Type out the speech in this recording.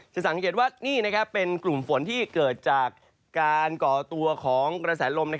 สังเกตว่านี่เป็นกลุ่มฝนที่เกิดจากการก่อตัวของกระแสลม